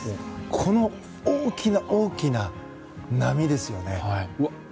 この大きな大きな波ですよね。